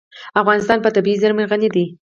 افغانستان په طبیعي زیرمې غني دی.